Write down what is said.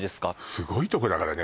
すごいとこだからね